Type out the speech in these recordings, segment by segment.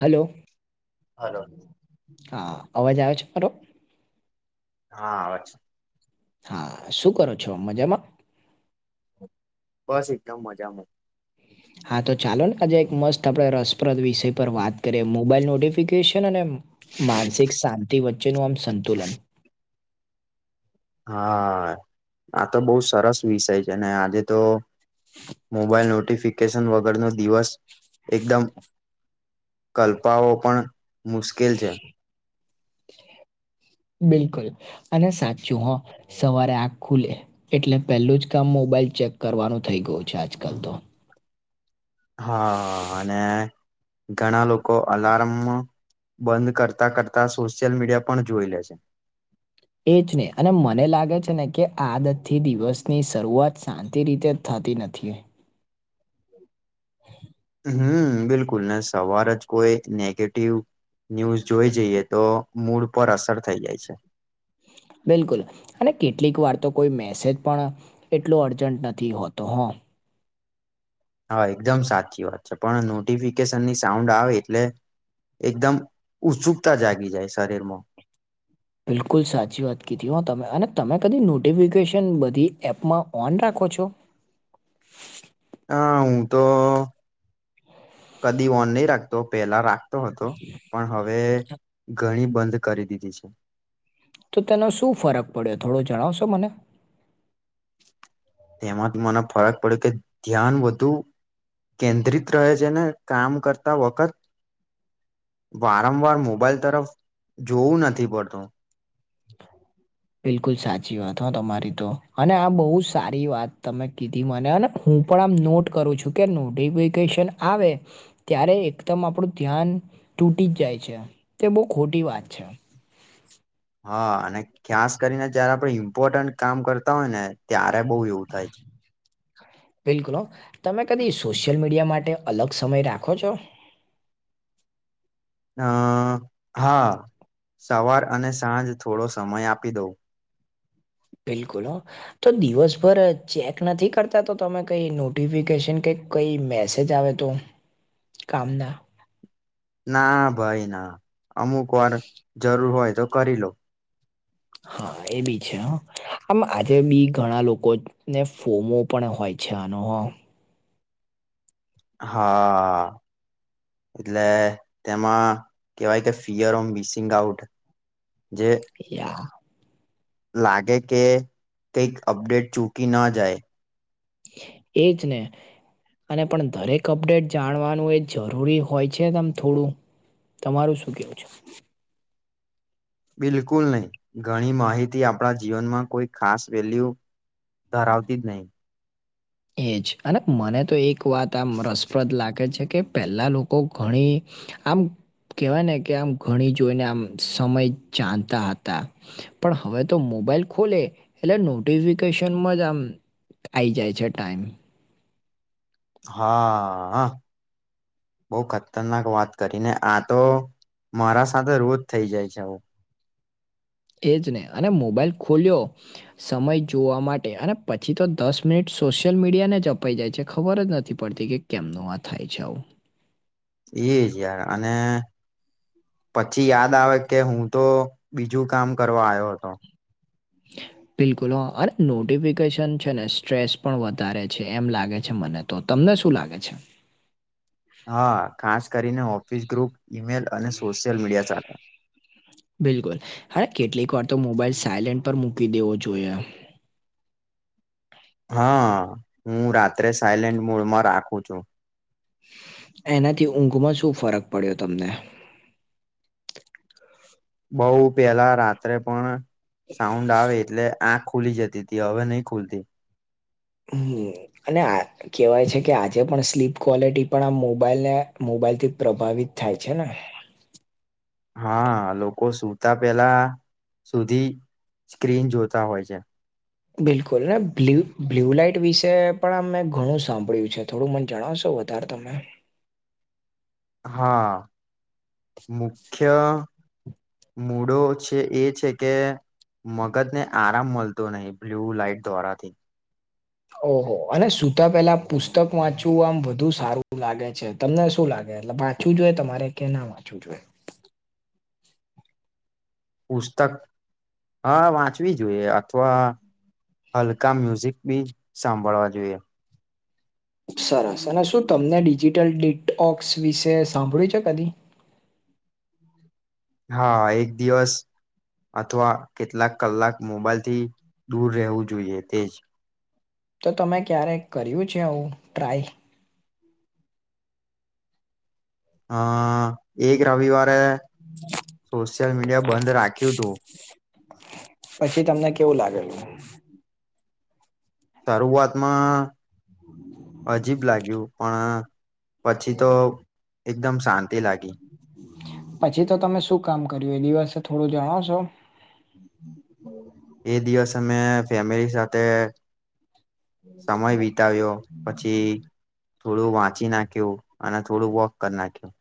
Hello. Hello. હા અવાજ આવે છે મારો? હા આવ છ. હા શું કરો છો મજામાં? બસ એકદમ મજામાં. હ [inaudible] હા તો ચાલો ને આજે એક મસ્ત આપણે રસપ્રદ વિષય પર વાત કરીએ મોબાઈલ નોટિફિકેશન અને માનસિક શાંતિ વચ્ચેનું આમ સંતુલન. હા, આ તો બહુ સરસ વિષય છે ને આજે તો મોબાઈલ નોટિફિકેશન વગરનો દિવસ એકદમ કલ્પાઓ પણ મુશ્કેલ છે. બિલકુલ અને સાચું હા. સવારે આંખ ખુલે, એટલે પહેલું જ કામ મોબાઈલ ચેક કરવાનું થઈ ગયું છે આજકાલ તો. હા અને ઘણા લોકો અલાર્મ બંધ કરતા કરતા સોશિયલ મીડિયા પણ જોઈ લે છે. એ જ ને અને મને લાગે છે ને કે આદથી દિવસની શરૂઆત શાંતિ રીતે થતી નથી. [inaudible] હમ બિલકુલ સવાર જ કોઈ નેગેટિવ ન્યૂઝ જોઈ જઈએ તો મૂડ પર અસર થઈ જાય છે. બિલકુલ, અને કેટલીક વાર તો કોઈ મેસેજ પણ એટલો અર્જન્ટ નથી હોતો હ. હા એકદમ સાચી વાત છે પણ નોટિફિકેશનની સાઉન્ડ આવે એટલે એકદમ ઉત્સુકતા જાગી જાય શરીરમાં. બિલકુલ સાચી વાત કીધી હો તમે અને તમે કદી નોટિફિકેશન બધી એપમાં ઓન રાખો છો? હ હું તો કદી ઓન નહી રાખતો પેલા રાખતો તો હતો, પણ હવે ઘણી બંધ કરી દીધી છે. તો તેનો શું ફરક પડ્યો થોડો જણાવશો મન? એમાં તોમને ફરક પડ્યો કે ધ્યાન બધું કેન્દ્રિત રહે છે ને કામ કરતા વખત વારંવાર મોબાઈલ તરફ જોવું નથી પડતું. [inaudible] બિલકુલ સાચી વાત હો તમારી તો અને આ બહુ સારી વાત તમે કીધી મને ને હું પણ આમ નોટ કરું છું કે નોટિફિકેશન આવે. ત્યારે એકદમ આપણું ધ્યાન તૂટી જ જાય છે, તે બહુ ખોટી વાત છે. હા અને ખાસ કરીને જયારે આપડે ઈન્ફોટેક કામ કરતા હોય ને ત્યારે બહુ એવું થાય છે. બિલકુલ, તમે કદી સોશિયલ મીડિયા માટે અલગ સમય રાખો છો? અ હા સવાર અને સાંજ થોડો સમય આપી દઉં. બિલકુલ. તો દિવસભર ચેક નથી કરતા તો તમે કઈ નોટિફિકેશન કઈક કઈ મેસેજ આવે તો, કામ ના. ના ભાઈ ના, અમુક વાર જરૂર હોય તો કરી લવ. હા એ બી છે હો. આમ આજે બી ઘણા લોકો ને ફોમો પણ હોય છે આનો હ હા. એટલે તેમાં કેવાય કે ફિયર ઓમ મિસિંગ આઉટ જે યા લાગે કે કઈક અપડેટ ચૂકી ના જાય. એજ ને. અને પણ દરેક અપડેટ જાણવાનું એ જરૂરી હોય છે તમ થોડું તમારું શું કહેવું છે? બિલકુલ નહી. ઘણી માહિતી આપણા જીવનમાં કોઈ ખાસ વેલ્યુ ધરાવતીજ નહીં. એજ અને મને તો એક વાત આમ રસપ્રદ લાગે છે કે પહેલાં લોકો ઘણી આમ કેહેવાય ને કે આમ ઘણી જોઈને આમ સમય ચતા હતા. પણ હવે તો મોબાઈલ ખોલે એટલે નોટિફિકેશનમાં જ આમ આઈ જાય છે ટાઈમ. હા આ. બઉ ખતરનાક વાત કરી ને આ તો મારા સાથે રોજ થઈ જાય છે આઉં. એજ ને અને મોબાઈલ ખોલ્યો સમય જોવા માટે અને પછી તો દસ મિનિટ સોશિયલ મીડિયાને જ અપાઈ જાય છે ખબર જ નથી પડતી કે કેમનું આ થાય છે આવું. એ જ યાર અને પછી યાદ આવે કે હું તો બીજું કામ કરવા આવ્યો હતો. હ. બિલકુલ અરે નોટિફિકેશન છે ને સ્ટ્રેસ પણ વધારે છે એમ લાગે છે મને. તો તમને શું લાગે છે? હા, ખાસ કરીને ઓફિસ ગ્રુપ ઈમેલ અને સોશિયલ મીડિયા સાથે બિલકુલ હરે કેટલીક વાર તો મોબાઈલ સાયલેન્ટ પર મૂકી દેવો જોઈએ. હા હું રાત્રે સાયલેન્ટ મોડમાં રાખું છું. એનાથી ઊંઘમાં શું ફરક પડ્યો તમને? બઉ પેલા રાત્રે પણ સાઉન્ડ આવે એટલે આંખ ખુલી જતી તી હવે નહી ખુલતી. હમ્મ અને આ કહેવાય છે કે આજે પણ સ્લીપ ક્વોલિટી પણ આમ મોબાઈલ ને મોબાઈલ થી પ્રભાવિત થાય છે ને. હા, લોકો સુતા પેલા સુધી સ્ક્રીન જોતા હોય છે. બિલકુલ ને બ્લુ બ્લુ લાઈટ વિશે પણ આમ મેં ઘણું સાંભળ્યું છે થોડું મને જણાવશો? તાર તમે. હા, મુખ્ય મૂડો છે એ છે કે મગજ ને આરામ મલતો નહી બ્લુ લાઈટ દ્વારાથી. ઓહો અને સુતા પહેલા પુસ્તક વાંચવું આમ વધુ સારું લાગે છે તમને શું લાગે? એટલે વાંચવું જોઈએ તમારે કે ના વાંચવું જોએ? પુસ્તક હા વાંચવી જોઈએ અથવા હલકા મ્યુઝિક બી સાંભળવા જોઈએ. સરસ અને શું તમને ડિજિટલ ડિટ ઓક્સ વિશે સાંભળ્યું છે કદી? હા, એક દિવસ અથવા કેટલાક કલાક મોબાઈલથી દૂર રહેવું જોઈએ તેજ. તો તમે ક્યારેક કર્યું છે આવું, ટ્રાય? હા, એક રવિવારે સોશિયલ મીડિયા બંધ રાખ્યુંતું. પછી તમને કેવું લાગેલું? શરૂઆતમાં અજીબ લાગ્યું પણ પછી તો એકદમ શાંતિ લાગી. પછી તો તમે શું કામ કર્યું એ દિવસે, થોડું જણાવશો? હમ્મ. એ દિવસે મે ફેમિલી સાથે સમય વિતાવ્યો પછી થોડું વાંચી નાખ્યું અને થોડું વોક કરી નાખ્યું.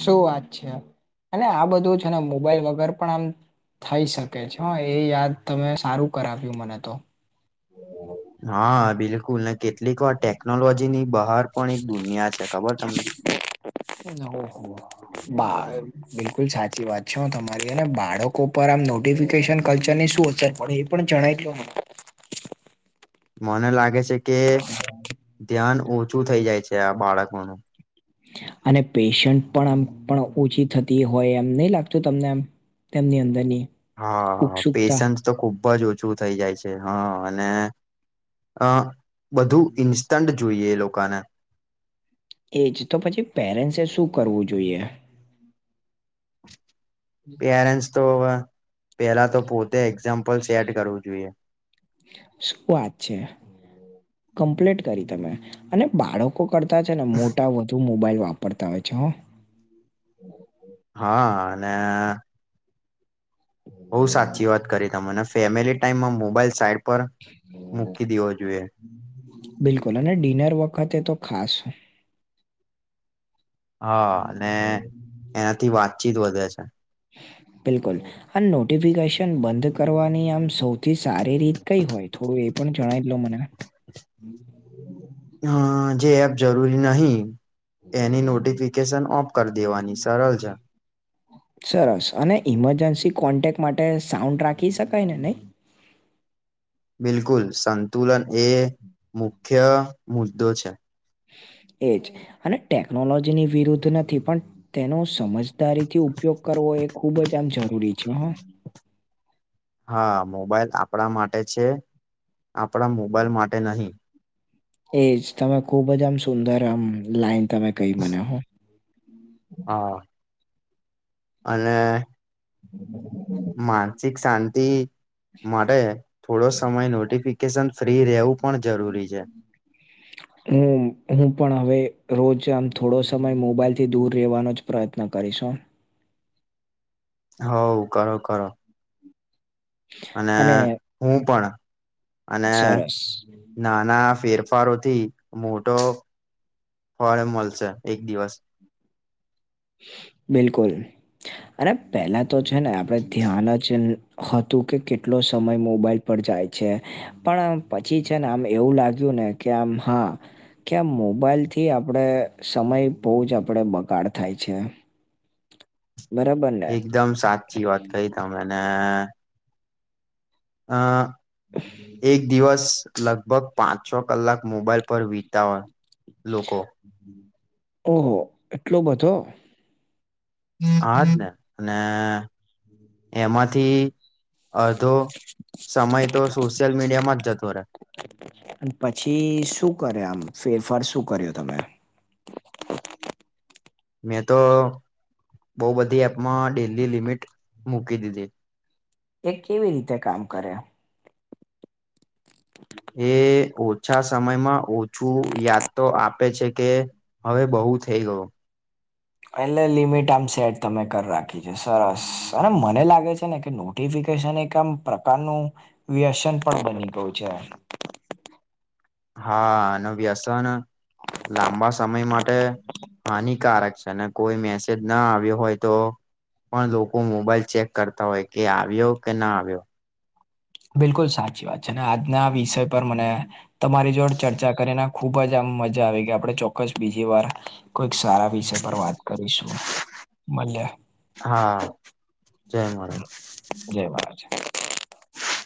શું વાત છે અને આ બધું છે ને મોબાઈલ વગર પણ આમ થઈ શકે છે હા, એ યાદ તમે સારું કરાવ્યું મને તો. હા બિલકુલ ને કેટલીક વાર ટેકનોલોજીની બહાર પણ એક દુનિયા છે, ખબર તમને? ઓહો બાર બિલકુલ સાચી વાત છે હા તમારી અને બાળકો પર આમ નોટિફિકેશન કલ્ચરની શું અસર પડે એ પણ જણાઈદો મને મને લાગે છે કે ધ્યાન ઓછું થઈ જાય છે આ બાળકોનું અને પેશન્ટ પણ આ પણ ઓછી થતી હોય એમ નહી લાગતું તમને એમ તેમની અંદરની હા, ઉત્સુકતા પેશન્સ તો ખુબજ ઓછું થઈ જાય છે હા અને અહ બધું ઇન્સ્ટન્ટ જોઈએ એ લોકોને એજ તો પછી પેરેન્ટ્સે શું કરવું જોઈએ? પેરેન્ટસ તો અવે, પેલા તો પોતે એક્ઝામ શું વાત છે. કમ્પ્લીટ કરી તમે અને બાળકો કરતાં છે ને મોટા વધુ મોબાઈલ વાપરતા હોય છે હો. હા અને બહુ સાચી વાત કરી તમે, ને ફેમિલી ટાઈમમાં મોબાઈલ સાઈડ પર મૂકી દેવો જોઈએ. બિલકુલ અને ડિનર વખતે તો ખાસ. હા અને એનાથી વાતચીત વધે છે. બિલકુલ અને નોટિફિકેશન બંધ કરવાની આમ સૌ થી સારી રીત કઈ હોય થોડું એ પણ જણાઈલો મને? હા, જે એપ જરૂરી નહી એની નોટિફિકેશન ઓફ કરી દેવાની સરલ છે. સરસ અને ઇમરજન્સી કોન્ટેક માટે સાઉન્ડ રાખી શકાય ને નઈ? બિલકુલ, સંતુલન એ મુખ્ય મુદ્દો છે. એજ અને ટેકનોલોજીની વિરુદ્ધ નથી પણ તેનો સમજદારીથી ઉપયોગ કરવો એ ખુબજ આમ જરૂરી છે, હા. હા, મોબાઈલ આપડા માટે છે, આપડા મોબાઈલ માટે નહી. એજ તમે ખુબજ આમ સુંદર આમ લાઈન તમે કઈ મને હા. હા અને માનસિક શાંતિ મળે થોડો સમય નોટિફિકેશન ફ્રી રહેવું પણ જરૂરી છે. [unintelligible] હું, હું પણ હવે રોજ આમ થોડો સમય મોબાઈલથી દૂર રહેવાનો જ પ્રયત્ન કરીશું. હોવ કરો કરો. અને હું પણ અને સરસ નાના ફેરફારોથી મોટો ફળ મળશે એક દિવસ. બિલકુલ અને પેલા તો છે ને, આપડે ધ્યાન જ હતું, કે કેટલો સમય મોબાઈલ પર જાય છે. પણ પછી છે ને, આમ એવું લાગ્યું ને, કે આમ હા ક્યાં મોબાઈલ થી આપડે સમય બહુ જ આપણેે બગાડ થાય છે. બરાબર. ને એકદમ સાચી વાત કઈ તમેને આ હમ. એક દિવસ લગભગ પાંચ છો કલાક મોબાઈલ પર વિતા હોય, લોકો ઓહો, એટલો બધો? આજ ને અને એમાંથી અધો સમય તો સોશિયલ મીડિયામાં જ જતો રહે. પછી શું કર્યા આમ ફેરફાર શું કર્યો તમે? મેં તો બઉ બધી એપમાં ડેલી લિમિટ મૂકી દીધી. એ કેવી રીતે કામ કરે એમ? એ ઓછા સમયમાં ઓછું યાદ તો આપે છે, કે હવે બહુ થઈ ગયો‌. એટલે લિમિટ આમ સેટ તમે કરી રાખી છે, સરસ અને મને લાગે છે ને, કે નો નોટીફિકેશન એક આમ પ્રકારનું વ્યસન પણ બની ગયું છે. હા, એનુ વ્યસન લાંબા સમય માટે હાનિકારક છે, કોઈ મેસેજ ના આવ્યો હોય, તો પણ લોકો મોબાઈલ ચેક કરતા હોય, કે આવ્યો કે ના આવ્યો. બિલકુલ સાચી વાત છે ને, આજના વિષય પર મને તમારી જોડ ચર્ચા કરીને ખુબ જ આમ મજા આવી ગેય, આપડે ચોક્કસ બીજી વાર કોઈક સારા વિષય પર વાત કરીશું, બલે હા, જય માાર જય મહારાજ.